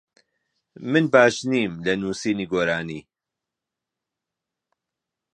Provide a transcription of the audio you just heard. من باش نیم لە نووسینی گۆرانی.